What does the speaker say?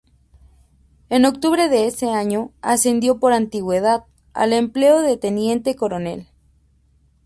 En octubre de ese año ascendió por antigüedad al empleo de teniente coronel.